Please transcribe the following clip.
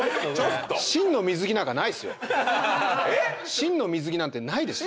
心の水着なんてないですよ。